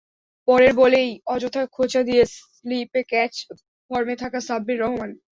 পরের বলেই অযথা খোঁচা দিয়ে স্লিপে ক্যাচ ফর্মে থাকা সাব্বির রহমান।